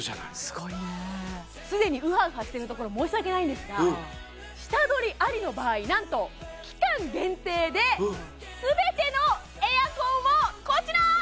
すごいねすでにウハウハしてるところ申し訳ないんですが下取りありの場合何と期間限定で全てのエアコンをこちら！